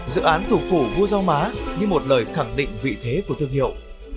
dự án thủ phủ vua rau má như một lời khẳng định vị thế của thương hiệu